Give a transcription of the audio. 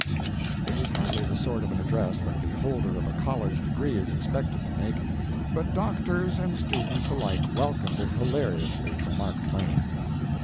It was hardly the sort of an address that the holder of a college degree is expected to make, but doctors and students alike welcomed it hilariously from Mark Twain.